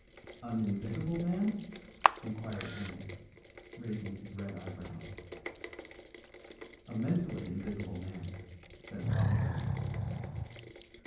"An invisible man?" inquired Angus, raising his red eyebrows. "A mentally invisible man," said Father Brown.